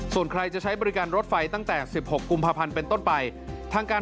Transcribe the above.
ส่วนใครจะใช้บริการรถไฟตั้งแต่๑๖กุมภาพันธ์เป็นต้นไปทางการ